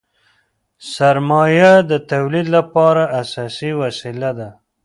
سرمایه د تولید لپاره اساسي وسیله ده.